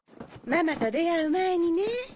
ママと出会う前にね。